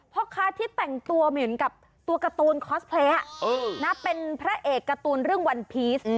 พ่อค้าที่แต่งตัวเหมือนกับตัวการ์ตูนคอสเพลย์เป็นพระเอกการ์ตูนเรื่องวันพีช